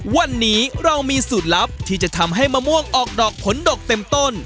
วันนี้เรามีสูตรลับที่จะทำให้มะม่วงออกดอกผลดกเต็มต้น